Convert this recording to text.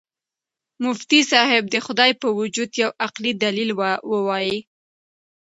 مفتي صاحب د خدای په وجود یو عقلي دلیل ووایه.